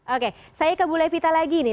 oke saya ke bu levita lagi nih